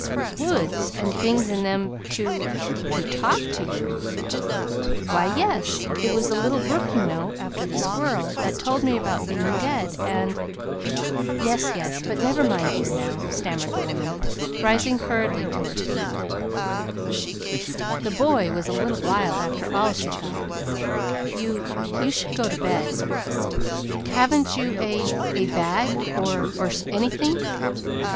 "Woods, and things in them to to TALK to you!" "Why, yes. It was the little brook, you know, after the squirrel, that told me about being dead, and " "Yes, yes; but never mind, dear, now," stammered the woman, rising hurriedly to her feet the boy was a little wild, after all, she thought. "You you should go to bed. Haven't you a a bag, or or anything?"